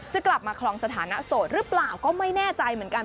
จะกลับมาคลองสถานะโสดหรือเปล่าก็ไม่แน่ใจเหมือนกัน